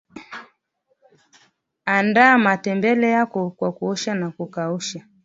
andaa matembele yako kwa kuosha na kukausha